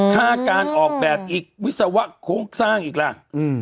ค่าการออกแบบอีกวิศวะโครงสร้างอีกล่ะ